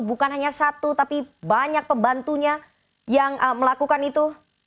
bukan hanya satu tapi banyak pembantunya yang melakukan itu